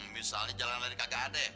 misalnya jalan lain kakak adek